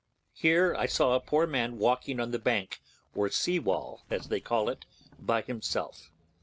Here I saw a poor man walking on the bank, or sea wall, as they call it, by himself.